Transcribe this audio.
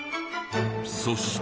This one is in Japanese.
そして。